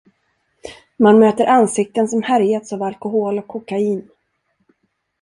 Man möter ansikten som härjats av alkohol och kokain.